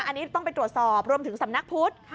อันนี้ต้องไปตรวจสอบรวมถึงสำนักพุทธ